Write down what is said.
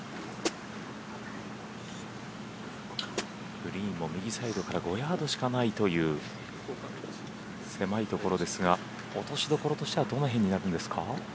グリーンも右サイドから５ヤードしかないという狭いところですが落としどころとしてはどの辺になるんですか。